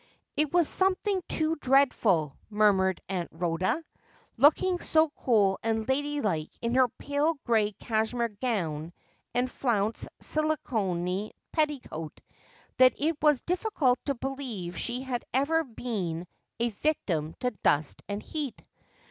' It was something too dreadful,' murmured Aunt Rhoda, looking so cool and ladylike in her pale gray cashmere gown and flounced sicilienne petticoat, that it was difficult to believe she had ever been a victim to dust and heat.